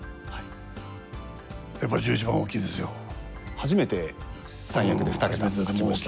初めて三役でふた桁勝ちました。